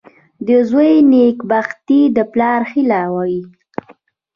• د زوی نېکبختي د پلار هیله وي.